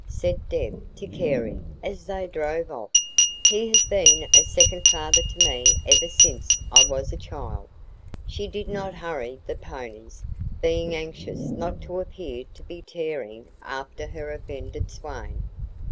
said Deb to Carey, as they drove off. "He has been a second father to me ever since I was a child." She did not hurry the ponies, being anxious not to appear to be tearing after her offended swain.